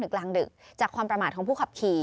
กลางดึกจากความประมาทของผู้ขับขี่